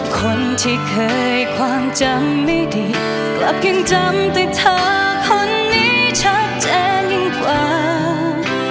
คนที่เคยความจำไม่ดีกลับยังจำแต่เธอคนนี้ชัดเจนยิ่งกว่า